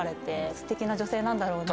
ステキな女性なんだろうな。